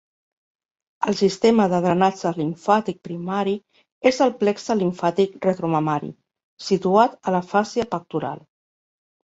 El sistema de drenatge limfàtic primari és el plexe limfàtic retromamari, situat a la fàscia pectoral.